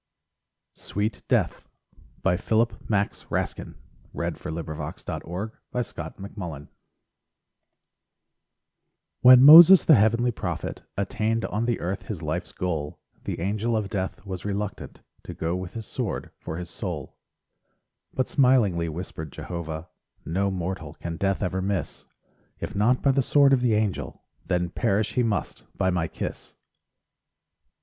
n that I could Nor hate her nor yet love her SONGS AND DREAMS Sweet Death When Moses the heavenly prophet Attained on the earth his life's goal, The Angel of Death was reluctant To go with his sword for his soul. But smilingly whispered Jehovah: "No mortal can death ever miss; If not by the sword of the Angel Then perish he must by my kiss."